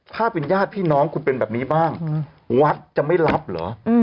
ถ้าเป็นญาติพี่น้องคุณเป็นแบบนี้บ้างวัดจะไม่รับเหรอ